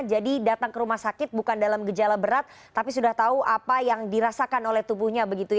jadi datang ke rumah sakit bukan dalam gejala berat tapi sudah tahu apa yang dirasakan oleh tubuhnya